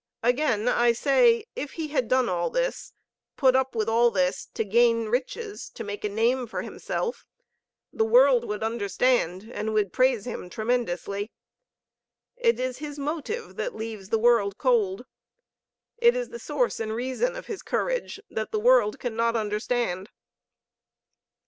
Again I say, if he had done all this, put up with all this, to gain riches, to make a name for himself, the world would understand and would praise him tremendously. It is his motive that leaves the world cold, it is the source and reason of his courage that the world cannot understand.